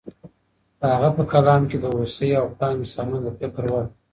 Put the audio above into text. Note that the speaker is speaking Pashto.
د هغه په کلام کې د هوسۍ او پړانګ مثالونه د فکر وړ دي.